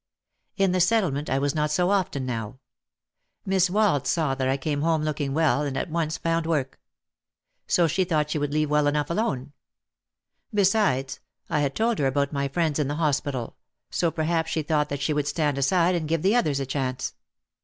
In the Settlement I was not so often now. Miss Wald saw that I came home looking well and at once found work. So she thought she would leave well enough alone. Besides, I had told her about my friends in the hospital, so perhaps she thought that she would stand aside and give the others a chance.